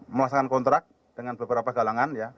melaksanakan kontrak dengan beberapa galangan ya